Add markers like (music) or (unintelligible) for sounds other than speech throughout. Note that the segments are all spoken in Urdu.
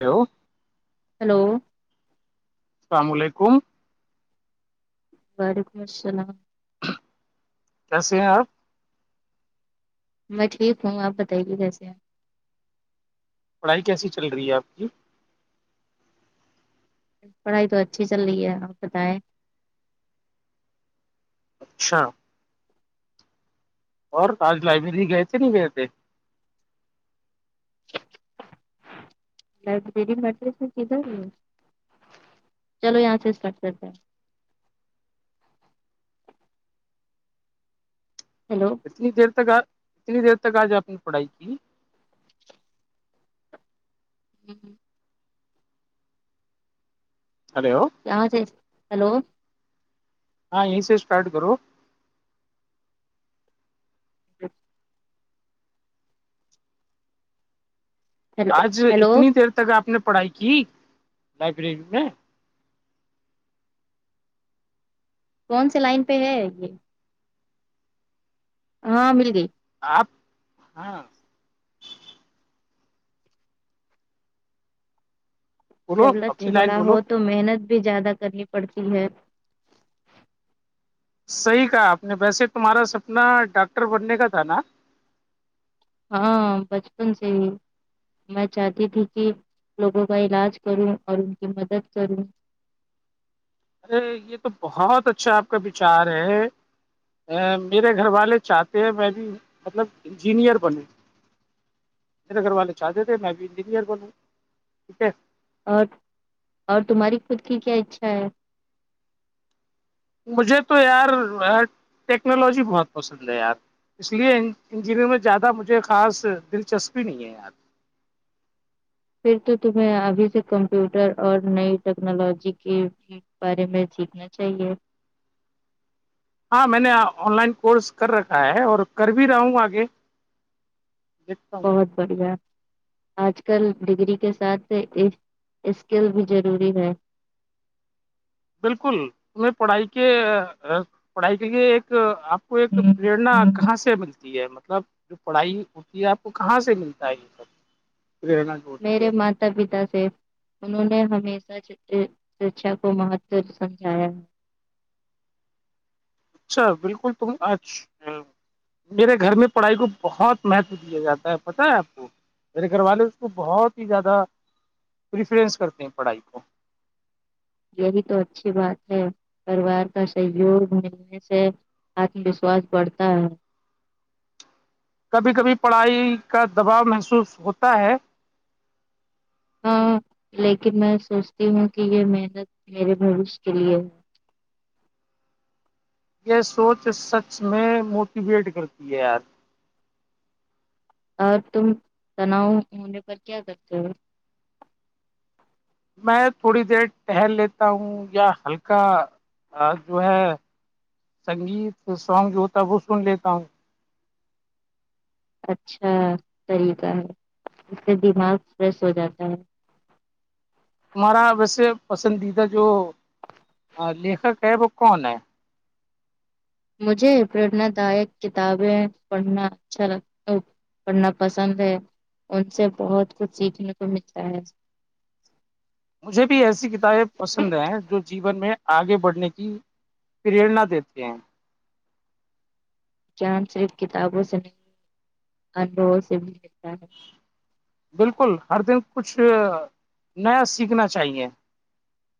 کیا ہوا ہیلو السلام علیکم وعلیکم السلام کیسے ہیں آپ میں ٹھیک ہوں آپ بتائیے کیسے ہے پڑھائی کیسی چل رہی ہے آپ کی پڑھائی تو اچھی چل رہی ہے آپ بتائیں اچھا اور آج لائبریری گئے تھے نہیں گئے تھے لائبریری (unintelligible) چلو یہاں سے سٹارٹ کرتے ہیں ہیلو کتنی دیر تک آپ کتنی دیر تک آج آپ نے پڑھائی کی ه ہ ہیلو کیا ہے ہیلو ہاں یہی سے اسٹارٹ کرو (inaudible) ہیلو آج ہیلو اتنی دیر تک آپ نے پڑھائی کی لائبریری میں کون سی لائن پہ ہے یہ ہاں مل گئی آپ ہاں بولو جب لچ اپنی لائن بڑا بولو ہو تو محنت بھی زیادہ کرنی پڑتی ہے صحیح کہا آپ نے ویسے تمہارا سپنا ڈاکٹر بننے کا تھا نا ہاں بچپن سے ہی میں چاہتی تھی کہ لوگوں کا علاج کروں اور ان کی مدد کروں ارے یہ تو بہت اچھا آپ کا وچار ہے میرے گھر والے چاہتے ہیں میں بھی مطلب انجینیر بنے میرے گھر والے چاہتے تھے میں بھی انجینیر بنو ٹھیک ہے اور اور تمہاری خود کی کیا اچھا ہے مجھے تو یار یار ٹیکنالوجی بہت پسند ہے یار اس لیے انجینیر میں زیادہ مجھے خاص دلچسپی نہیں ہے یار پھر تو تمہیں ابھی سے کمپیوٹر اور نئی ٹیکنالوجی کی بارے میں سیکھنا چاہیے ہاں میں نے آن لائن کورس کر رکھا ہے اور کر بھی رہا ہوں آگے دیکھتا ہوں بہت بڑھیا آج کل ڈگری کے ساتھ اسکل بھی ضروری ہے بالکل میں پڑھائی کے پڑھائی کے لیے ایک آپ کو ایک ہوں، پریرنا ہوں۔ کہاں سے ملتی ہے مطلب جو پڑھائی ہوتی ہے آپ کو کہاں سے ملتا ہے یہ سب پنا میرے مت ماتا پتا سے انہوں نے ہمیشہ شکھا کو مہتو سمجھایا ہے اچھا بالکل تم میرے گھر میں پڑھائی کو بہت مہتو دیا جاتا ہے پت ہے آپ کو میرے گھر والے اس کو بہت ہی زیادہ پریفرینس کرتے ہیں پڑھائی کو یہی تو اچھی بات ہے پریوار کا سہیوگ ملنے سے آتم وشواس بڑھتا ہے کبھی کبھی پڑھائی کا دباؤ محسوس ہوتا ہے ہاں لیکن میں سوچتی ہوں کہ یہ محنت میرے بوش کے لیے ہے یہ سوچ سچ میں موٹیویٹ کرتی ہے یار اور تم تناؤ ہونے پر کیا کرتے ہو میں تھوڑی دیر ٹہل لیتا ہوں یا ہلکا ا جو ہے سنگیت سانگ جو ہوتا ہے وہ سن لیتا ہوں اچھا طریقہ ہے اس سے دماغ فریش ہو جاتا ہے ہمارا ویسے پسندیدہ جو لیکر کیا ہے وہ کون ہے مجھے پرنا دائک کتابیں پڑھنا اچھا لگتا پڑھنا پسند ہے ان سے بہت کچھ سیکھنے کو ملتا ہے مجھے بھی ایسی کتابیں پسند ہیں جو جیون میں آگے بڑھنے کی پیر رنا دیتے ہیں کین سے کتابوں سے اج بہت سے بھی کرتہ ہے بالکل ہر دن کچھ نیا سیکھنا چاہیے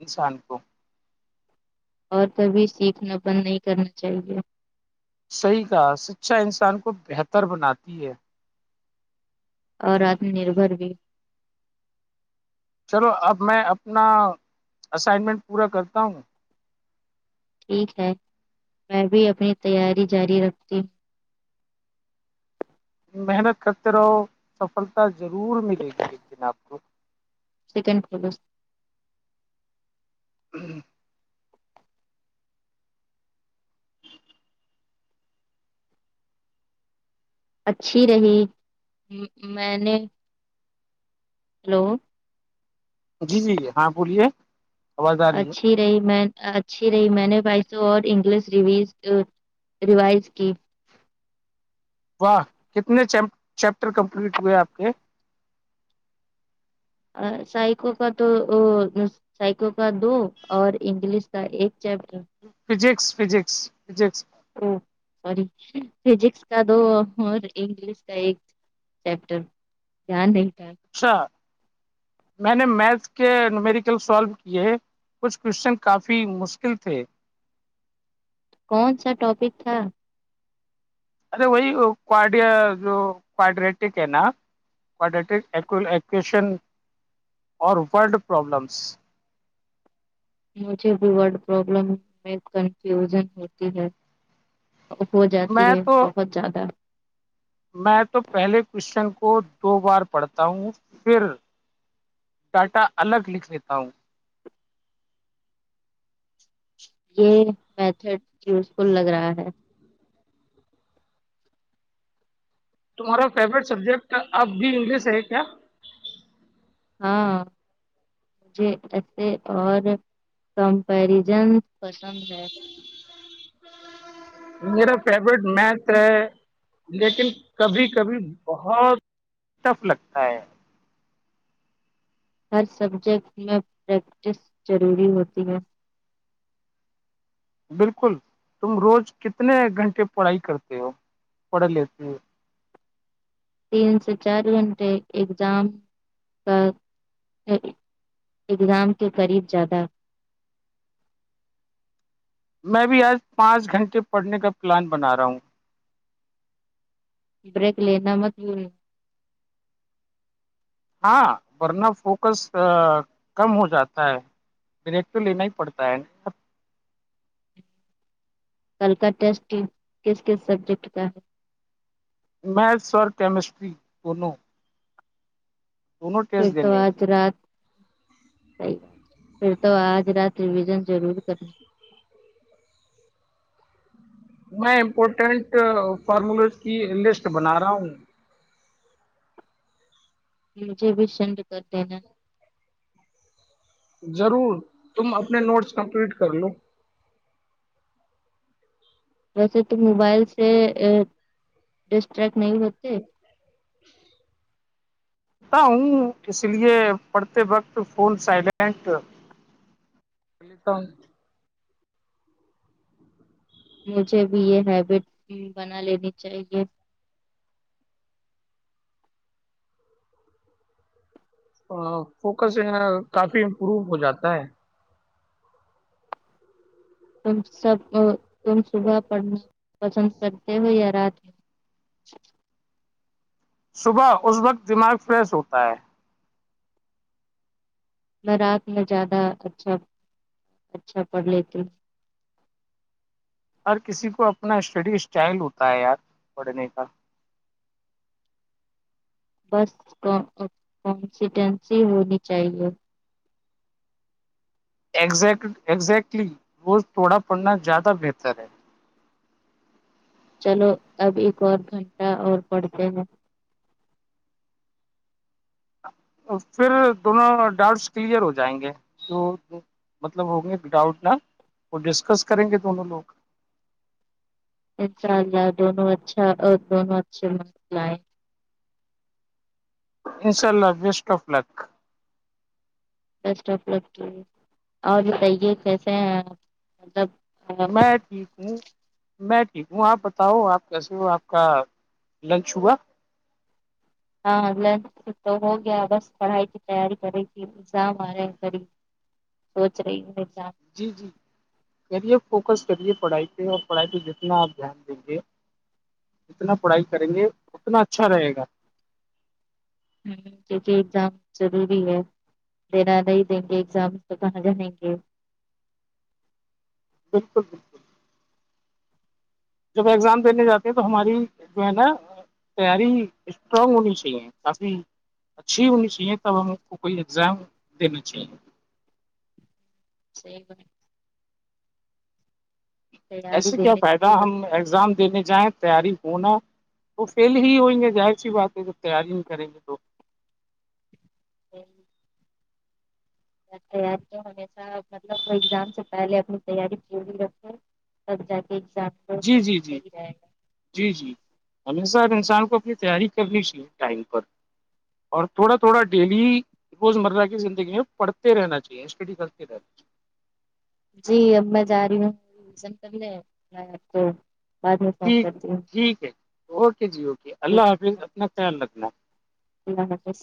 انسان کو اور کبھی سیکھنا بند نہیں کرنا چاہیے صحیح کہا سچا انسان کو بہتر بناتی ہے اور آتم نربھر بھی چلو اب میں اپنا اسائنمنٹ پورا کرتا ہوں ٹھیک ہے میں بھی اپنی تیاری جاری رکھتی ہوں محنت کرتے رہو سفلتا ضرور ملے گی ایک دن آپ کو سیکنڈ فولوز وم ہوں اچھی رہی مہ میں نے ہیلو جی جی ہاں بولیے آواز آ رہی ہے اچھی رہی میں اچھی رہی میں نے بھائی سو اور انگلش ریویز ریوائز کی واہ کتنےچم چیپٹر کمپلیٹ ہوئے آپ کے ا سائیکو کا تو اور مست سائیکو کا دو اور انگلش کا ایک chapter physics physics physics oh sorry physics کا دو اور انگلش کا ایک چیپٹر دھیان نہیں پائے اچھا میں نے میکس کے میریکل سولف کیے ہے کچھ کوشچن کافی مشکل تھے کون سا ٹاپک تھا ارے وہی پارٹیر جو پرڈیٹک ہے نہ پارٹییٹک ایکویشن اور فرڈ پرابلم س مجھے بھی ورڈ پرابلم میں کنفیوژن ہوتی ہے ہو جاتی میں ہے تو بہت زیادہ میں تو پہلے کوشچن کو دو بار پڑھتا ہوں پھر ڈاٹا الگ لکھ لیتا ہوں یہ میتھڈ یوزفل لگ رہا ہے تمہارا فیورٹ سبجیکٹ اب بھی انگلش ہے کیا ہاں مجھے ایسے اور کمپریزن پسند ہے میرا فیوریٹ میتھ ہے لیکن کبھی کبھی بہت ٹف لگتا ہے ہر سبجیکٹ میں پریکٹس ضروری ہوتی ہے بالکل تم روز کتنے گھنٹے پڑھائی کرتے ہو پڑھ لیتے ہو تین سے چار گھنٹے اگزام کا ایک زام کے قریب زیادہ میں بھی آج پانچ گھنٹے پڑھنے کا پلان بنا رہا ہوں بریک لینا مت بھولو ہاں ورنہ فوکس کم ہو جاتا ہے بریک تو لینا ہی پڑتا ہے نا کل کا ٹیسٹ کس کے سبجیکٹ کا ہے میتھس اور کیمسٹری دونوں دونوں پھر ٹیسٹ تو دینے ہیں آج مجھے رات صحیح پھر تو آج رات ریویژن ضرور کرنا میں امپورٹنٹ فارموولز کی لسٹ بنا رہا ہوں مجھے بھی سینڈ کر دینا ضرور تم اپنے نوٹس کمپلیٹ کر لو ویسے تو موبائل سے ڈسٹریکٹ نہیں ہوتے ہوں اس لیے پڑھتے وقت فون سائلنٹ کرلیتا ہ مجھے بھی یہ ہیبٹ بنا لینی چاہیے ا فوکس کافی امپرو ہو جاتا ہے تم سب تم صبح پڑھنا پسند کرتے ہو یا رات صبح اس وقت دماغ فریش ہوتا ہے میں رات میں زیادہ اچھا اچھا پڑھ لیتی ہ ہر کسی کو اپنا اسٹڈی اسٹائل ہوتا ہے یار پڑھنے کا بس کنٹینسی ہونی چاہیے ایگزیک ایگزیکٹلی وہ تھوڑا پڑھنا زیادہ بہتر ہے چلو اب ایک اور گھنٹہ اور پڑتے ہیں پھر دونوں ڈاؤٹس کلیئر ہو جائیں گے تو مطلب ہو گئے ڈاؤٹ نا وہ ڈسکس کریں گے دونوں لوگ انشاء اللہ دونوں اچھا دونوں اچھے م لائ انشاءاللہ best of luck best of luck اور بتائیے کیسے ہیں مطلب آ، میں ٹھیک ہوں میں ٹھیک ہوں آپ بتاؤ آپ کیسے ہو آپ کا لنچ ہوا ہاں لنچ تو ہو گیا بس پڑھائی کی تیاری کر رہی تھی ایگزام آ رہے سوچ رہی ہے جان جی جی کریے فوکس کریے پڑھائی پہ اور پڑھائی پہ جتنا آپ دھیان دیں گے جتنا پڑھائی کریں گے اتنا اچھا رہے گا کیونکہ اگزام ضروری ہے دینا نہیں دیں گے ایگزامس تو کہاں جائیں گے بالکل بالکل جب ایگزام دینے جاتے ہیں تو ہماری جو ہے نا تیاری اسٹرانگ ہونی چاہیے کافی اچھی ہونی چاہیے تب ہم کو کوئی ایگزام دینا چاہیے صی فرمایا تیاری ایسے کیا دینے کی فائدہ ہم مطلب ایگزام دینے جائیں تیاری ہونا تو فیل ہی ہوئیں گے ظاہر سی بات ہے جب تیاری نہیں کریں گے تو ا (unintelligible) تیاری تو ہمیشہ مطلب ایگزام سے پہلے اپنی تیاری پوری رکھو جب جاکے ایگزام کو جی جی جی صحیح رہے گا جی جی ہمیشہ انسان کو اپنی تیاری کرنی چاہیے ٹائم پر اور تھوڑا تھوڑا ڈیلی روز مرہ کی زندگی میں پڑھتے رہنا چاہیے اسٹڈی کر کے جی اب میں جا رہی ہو (inaudible) سے پہلے آپ کو بعد میں فون ٹھیک کرتی ہوں ٹھیک ہے اوکے جی اوکے اللہ حافظ اپنا جی خیال رکھنا اللہ حافظ